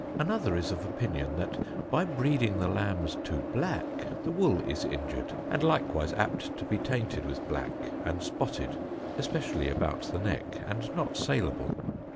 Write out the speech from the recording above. Another is of opinion that, by breeding the lambs too black, the wool is injured, and likewise apt to be tainted with black, and spotted, especially about the neck, and not saleable.